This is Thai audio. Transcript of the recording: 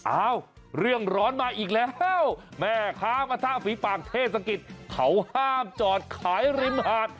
อ้าวเรื่องร้อนมาอีกแล้วแม่ค้ามาทะฝีปากเทศกิจเขาห้ามจอดขายริมหาด